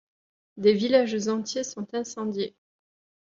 Des villages entiers sont incendiés.